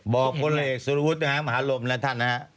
บอกพลเอกสุรวจมหาลมนะท่านนะฮะ